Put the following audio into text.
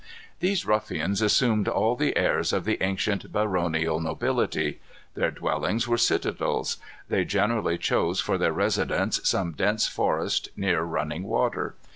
These ruffians assumed all the airs of the ancient baronial nobility. Their dwellings were citadels. They generally chose for their residence some dense forest, near running water.